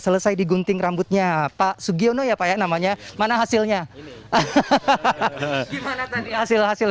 selesai digunting rambutnya pak sugiono ya pak ya namanya mana hasilnya gimana tadi hasil hasil